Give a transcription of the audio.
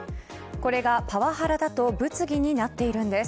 これが、パワハラだと物議になっているんです。